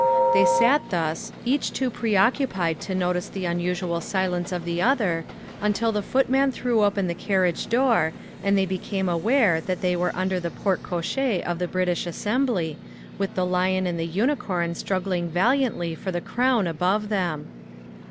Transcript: They sat thus, each too preoccupied to notice the unusual silence of the other, until the footman threw open the carriage door and they became aware that they were under the porte cochere of the British Embassy, with the Lion and the Unicorn struggling valiantly for the Crown above them.